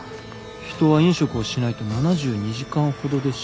人は飲食をしないと７２時間ほどで死ぬ。